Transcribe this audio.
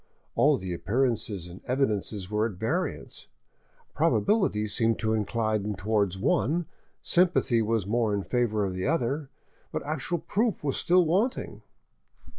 All the appearances and evidences were at variance; probability seemed to incline towards one, sympathy was more in favour of the other, but actual proof was still wanting.